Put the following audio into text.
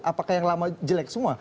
apakah yang lama jelek semua